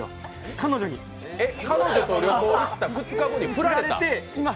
彼女と旅行行った２日後にフラれた？